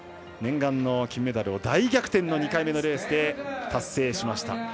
念願の金メダルを大逆転の２回目のレースで達成しました。